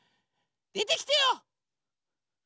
でてきてよ！